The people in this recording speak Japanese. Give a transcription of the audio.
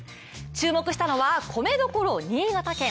注目したのは米どころ・新潟県。